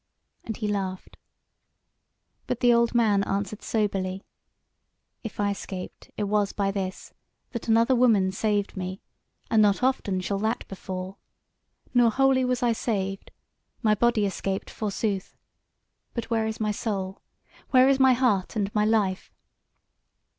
And he laughed. But the old man answered soberly: "If I escaped, it was by this, that another woman saved me, and not often shall that befall. Nor wholly was I saved; my body escaped forsooth. But where is my soul? Where is my heart, and my life?